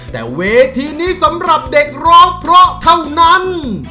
แต่เวทีนี้สำหรับเด็กร้องเพราะเท่านั้น